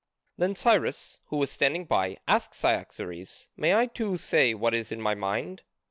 Then Cyrus, who was standing by, asked Cyaxares, "May I too say what is in my mind?"